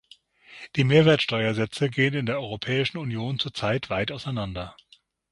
Die Mehrwertsteuersätze gehen in der Europäischen Union zurzeit weit auseinander.